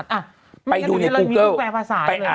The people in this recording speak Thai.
ได้ฮะ